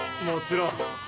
もちろん。